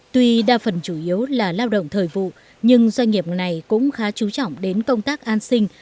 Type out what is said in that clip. tuy đa phần chủ yếu là lao động thời vụ nhưng doanh nghiệp này cũng khá chú trọng đến công tác an sinh